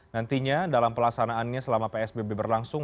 nantinya dalam pelaksanaannya selama psbb berlangsung